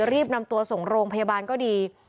รีบนำตัวส่งโรงพยาบาลก็ดี